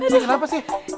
si kenapa sih